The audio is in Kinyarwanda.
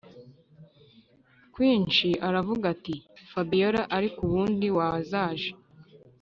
kwinshi aravuga ati” fabiora ariko ubundi wazaje